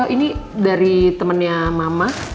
ini dari temennya mama